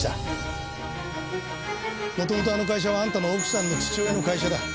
元々あの会社はあんたの奥さんの父親の会社だ。